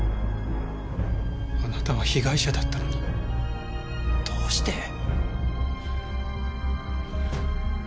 あなたは被害者だったのにどうして？